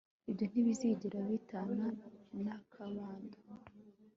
Ibyo ntibizigera bitana nakabando